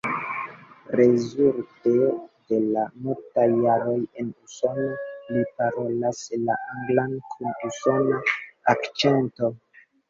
Rezulte de la multaj jaroj en Usono, li parolas la anglan kun usona akĉento.